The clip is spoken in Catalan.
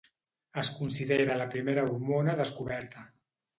Es considera la primera hormona descoberta.